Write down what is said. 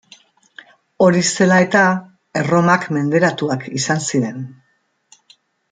Hori zela eta, Erromak menderatuak izan ziren.